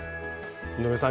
井上さん